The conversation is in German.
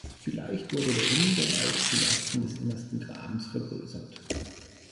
Vielleicht wurde der Innenbereich zu Lasten des innersten Grabens vergrößert.